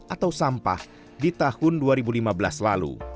atau sampah di tahun dua ribu lima belas lalu